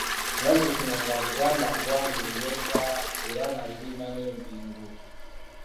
Nnazikuno nga Buganda ggwanga eryetwala era nga lirina n’empingu.